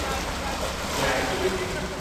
燃水